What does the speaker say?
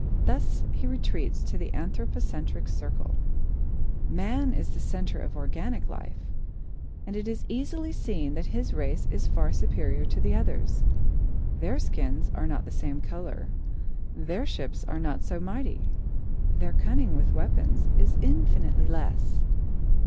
Thus he retreats to the anthropocentric circle. [Sidenote: By Strength of Mind and Arm] Man is the centre of organic life, and it is easily seen that his race is far superior to the others. Their skins are not the same colour, their ships are not so mighty, their cunning with weapons is infinitely less.